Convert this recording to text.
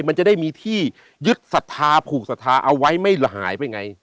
มันจะได้มีที่ยึดศรัทธาผูกศรัทธาเอาไว้ไม่หายไปไง